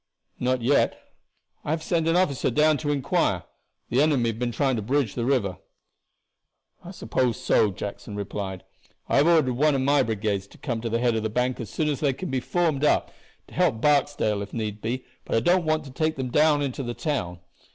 "Not yet, I have sent an officer down to inquire. The enemy have been trying to bridge the river. "I suppose so," Jackson replied. "I have ordered one of my brigades to come to the head of the bank as soon as they can be formed up, to help Barksdale if need be, but I don't want to take them down into the town.